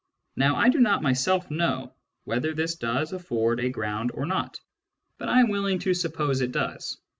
Now, I do not myself know whether this does afford a ground or not, but I am willing to suppose that it does.